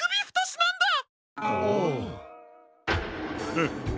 フッ。